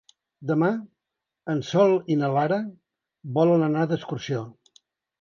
Demà en Sol i na Lara volen anar d'excursió.